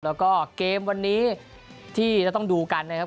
แล้วก็เกมวันนี้ที่จะต้องดูกันนะครับ